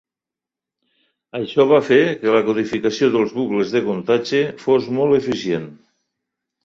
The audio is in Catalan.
Això va fer que la codificació dels bucles de comptatge fos molt eficient.